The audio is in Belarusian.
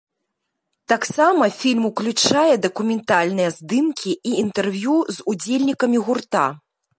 Таксама фільм уключае дакументальныя здымкі і інтэрв'ю з удзельнікамі гурта.